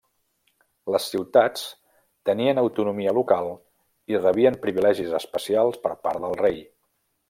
Les ciutats tenien autonomia local i rebien privilegis especials per part del rei.